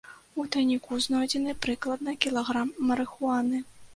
У тайніку знойдзены прыкладна кілаграм марыхуаны.